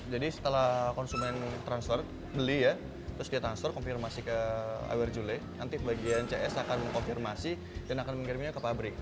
jadi setelah konsumen transfer beli ya terus dia transfer konfirmasi ke i wear zulay nanti bagian cs akan mengkonfirmasi dan akan mengirminya ke pabrik